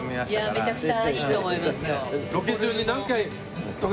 いやめちゃくちゃいいと思いますよ。